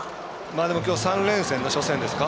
でも、きょう３連戦の初戦ですか。